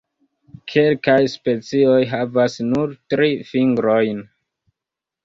Kelkaj specioj havas nur tri fingrojn.